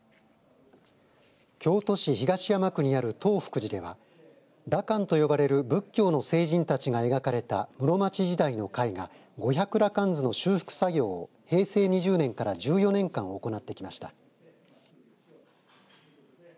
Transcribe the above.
京都市東山区にある東福寺では羅漢と呼ばれる仏教の聖人たちが描かれた室町時代の絵画五百羅漢図の修復作業を平成２０年から１４年間行ってきました。